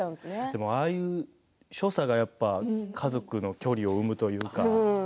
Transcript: でも、ああいう所作がやっぱ家族の距離を生むというか。